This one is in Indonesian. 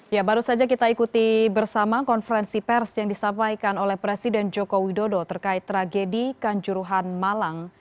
ya baru saja kita ikuti bersama konferensi pers yang disampaikan oleh presiden joko widodo terkait tragedi kanjuruhan malang